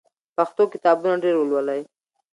پښتو کتابونه ډېر ولولئ.